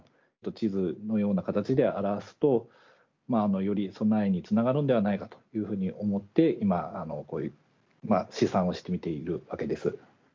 地図のような形で表すとより備えにつながるんではないかというふうに思って今こういう試算をしてみているわけです。